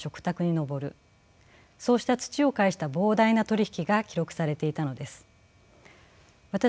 そうした土を介した膨大な取り引きが記録されていたのです。